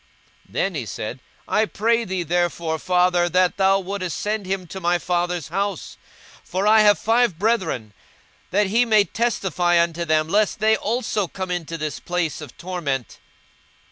42:016:027 Then he said, I pray thee therefore, father, that thou wouldest send him to my father's house: 42:016:028 For I have five brethren; that he may testify unto them, lest they also come into this place of torment.